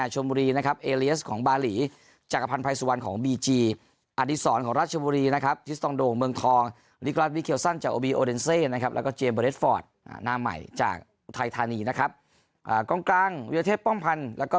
น้ำใหม่จากไทยธานีนะครับอ่ากลางกลางวิวเทศป้อมพันธ์แล้วก็